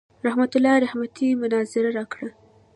رحمت الله رحمتي مناظره راکړه.